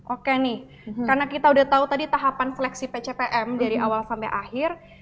oke nih karena kita udah tahu tadi tahapan seleksi pctm dari awal sampai akhir